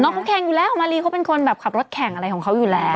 เขาแข่งอยู่แล้วมารีเขาเป็นคนแบบขับรถแข่งอะไรของเขาอยู่แล้ว